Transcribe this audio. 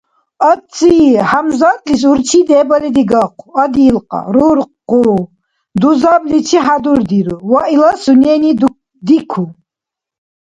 Ацци-ХӀямзатлис урчи дебали дигахъу, адилкьа, руркъу, дузабличи хӀядурдиру ва ила сунени дику.